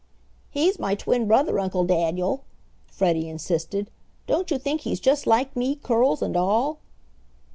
"He's my twin brother, Uncle Daniel," Freddie insisted. "Don't you think he's just like me curls and all?"